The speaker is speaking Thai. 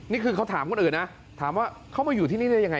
นี่คือเขาถามคนอื่นนะถามว่าเขามาอยู่ที่นี่ได้ยังไง